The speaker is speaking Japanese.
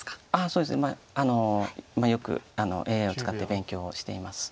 そうですねよくＡＩを使って勉強しています。